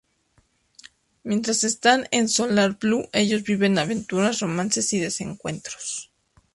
Mientras están en Solar Blue ellos viven aventuras, romances y desencuentros.